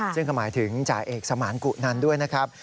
ซึ่งก็หมายถึงจ่าเอกสมานกุนันด้วยนะครับ